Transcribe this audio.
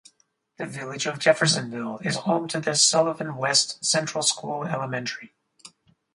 The Village of Jeffersonville is home to the Sullivan West Central School elementary.